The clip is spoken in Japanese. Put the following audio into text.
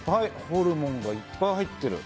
ホルモンがいっぱい入ってる！